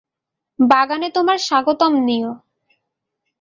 বাগানে তোমায় স্বাগতম, নিও।